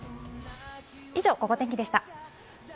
以上、ゴゴ天気でした。